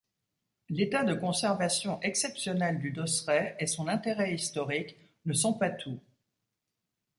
L’état de conservation exceptionnel du dosseret et son intérêt historique ne sont pas tout.